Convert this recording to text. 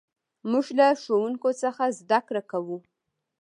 موږ له ښوونکي څخه زدهکړه کوو.